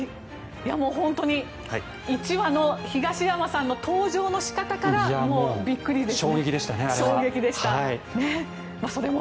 本当に１話の東山さんの登場の仕方からもうびっくりです。